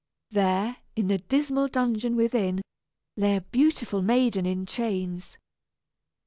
There, in a dismal dungeon within, lay a beautiful maiden in chains.